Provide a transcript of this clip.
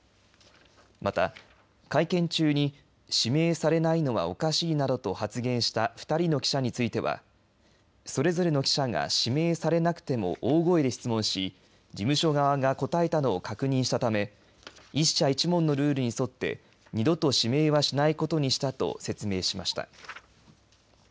また、会見中に指名されないのはおかしいなどと発言した２人の記者についてはそれぞれの記者が指名されなくても大声で質問し事務所側が答えたのを確認したため１社１問のルールに沿って二度と指名はしないことにしたと説明しました。